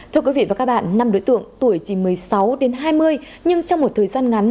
thưa quý vị và các bạn năm đối tượng tuổi chỉ một mươi sáu đến hai mươi nhưng trong một thời gian ngắn